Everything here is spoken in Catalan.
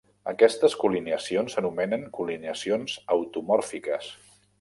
Aquestes colineacions s'anomenen colineacions automòrfiques.